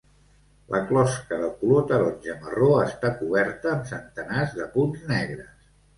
La closca de color taronja-marró està coberta amb centenars de punts negres.